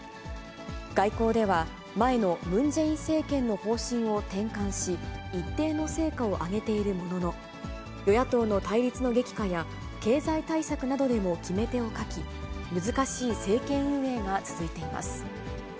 外交では、前のムン・ジェイン政権の方針を転換し、一定の成果をあげているものの、与野党の対立の激化や経済対策などでも決め手を欠き、難しい政権運営が続いています。